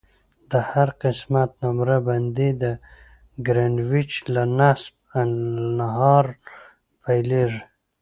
د هر قسمت نمره بندي د ګرینویچ له نصف النهار پیلیږي